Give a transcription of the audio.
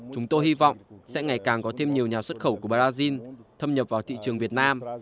chúng tôi hy vọng sẽ ngày càng có thêm nhiều nhà xuất khẩu của brazil thâm nhập vào thị trường việt nam